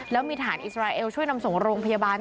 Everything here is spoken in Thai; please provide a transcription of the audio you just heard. แล้วมีฐานอิสราเอลช่วยนำส่งโรงพยาบาล